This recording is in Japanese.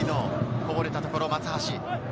こぼれたところ松橋。